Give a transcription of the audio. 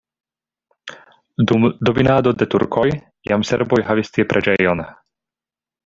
Dum dominado de turkoj jam serboj havis tie preĝejon.